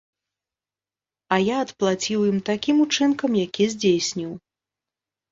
А я адплаціў ім такім учынкам, які здзейсніў.